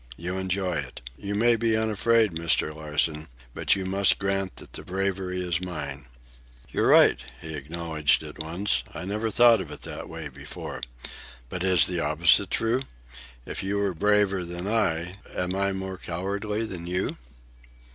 You enjoy it. You may be unafraid, Mr. Larsen, but you must grant that the bravery is mine." "You're right," he acknowledged at once. "I never thought of it in that way before. But is the opposite true? If you are braver than I, am I more cowardly than you?"